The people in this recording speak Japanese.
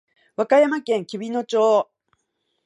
和歌山県紀美野町